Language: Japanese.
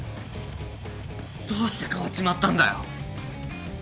どうして変わっちまったんだよ。